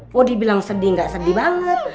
kok dibilang sedih gak sedih banget